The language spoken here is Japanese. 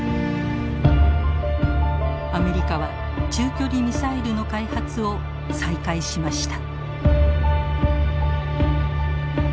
アメリカは中距離ミサイルの開発を再開しました。